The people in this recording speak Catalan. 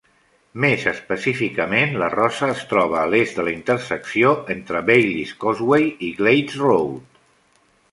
Més específicament, la rosa es troba a l"est de la intersecció entre Bailey's Causeway i Glades Road.